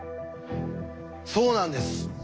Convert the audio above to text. そうなんです。